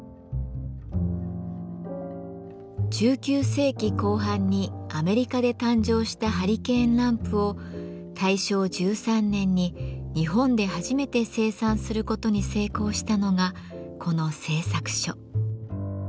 １９世紀後半にアメリカで誕生したハリケーンランプを大正１３年に日本で初めて生産することに成功したのがこの製作所。